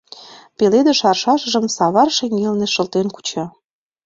Пеледыш аршашыжым савар шеҥгелне шылтен куча.